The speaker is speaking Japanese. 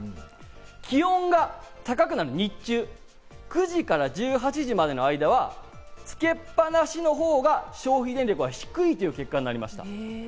気温が高くなる日中、９時から１８時までの間はつけっぱなしのほうが消費電力は低いという結果になりました。